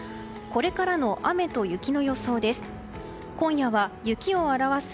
これからの雨と雪の予想です。